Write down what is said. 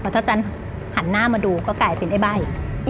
ถ้าจันหันหน้ามาดูก็กลายเป็นไอ้ใบ้